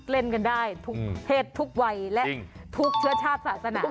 เล่นกันได้ทุกเพศทุกวัยและทุกเชื้อชาติศาสนา